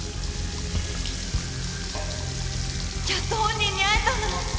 やっと本人に会えたんだもん